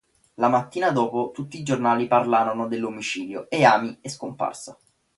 La mattina dopo tutti i giornali parlano dell'omicidio e Amy è scomparsa.